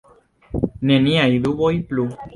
Neniaj duboj plu!